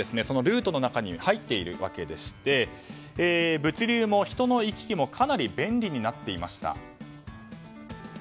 そのルートの中に入っているわけでして物流も人の行き来もかなり便利になっていました。